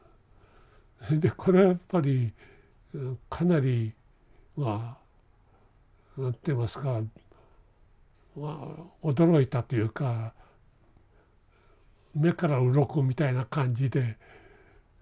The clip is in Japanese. それでこれはやっぱりかなりまあ何て言いますかまあ驚いたというか目からうろこみたいな感じで受け止めたんです。